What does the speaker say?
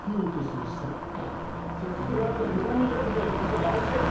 その服が何か無駄に乱れてる感じとかあれして。